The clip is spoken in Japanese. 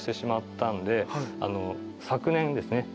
昨年ですね